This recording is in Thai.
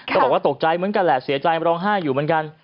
ก็บอกว่าตกใจเหมือนกันแหละเสียใจร้องไห้อยู่เหมือนกัน